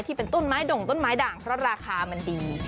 ที่เป็นต้นไม้ด่งต้นไม้ด่างเพราะราคามันดี